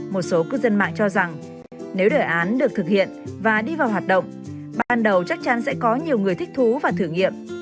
một số cư dân mạng cho rằng nếu đề án được thực hiện và đi vào hoạt động ban đầu chắc chắn sẽ có nhiều người thích thú và thử nghiệm